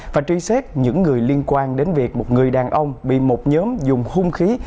và truy xét những người liên quan đến việc một người đàn ông bị một nhóm dùng hung khí